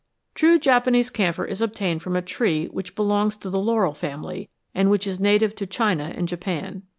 True Japanese camphor is obtained from a tree which belongs to the laurel family, and which is native to China and Japan.